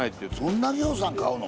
そんなぎょうさん買うの？